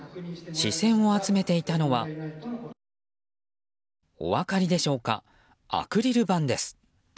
視線を集めていたのはお分かりでしょうかアクリル板です。